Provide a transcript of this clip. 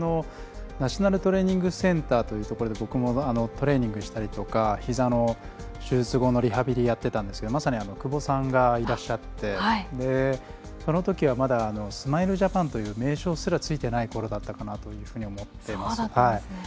ナショナルトレーニングセンターというところでトレーニングをしたりとかひざの手術後のリハビリをやっていたんですがまさに久保さんがいらっしゃってそのときはまだスマイルジャパンという名称すらついてないころだったと思います。